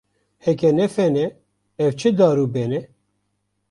Heke ne fen e, ev çi dar û ben e.